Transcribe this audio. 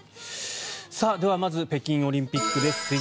では、まず北京オリンピックです。